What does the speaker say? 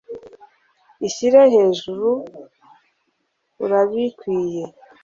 ishyire hejuru urabikwiye